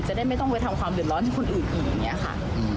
ได้ไม่ต้องไปทำความเดือดร้อนให้คนอื่นอีกอย่างนี้ค่ะ